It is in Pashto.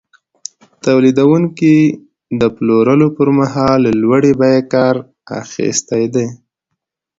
تولیدونکي د پلورلو پر مهال له لوړې بیې کار اخیستی دی